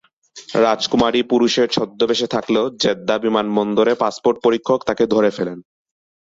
রাজকুমারী পুরুষের ছদ্মবেশে থাকলেও জেদ্দা বিমানবন্দরে পাসপোর্ট পরীক্ষক তাকে ধরে ফেলেন।